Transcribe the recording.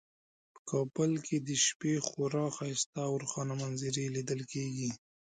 په کابل کې د شپې خورا ښایسته او روښانه منظرې لیدل کیږي